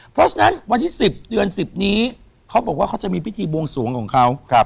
เพราะฉะนั้นวันที่๑๐เดือน๑๐นี้เขาบอกว่าเขาจะมีพิธีบวงสวงของเขา